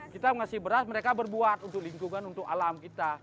kita ngasih beras mereka berbuat untuk lingkungan untuk alam kita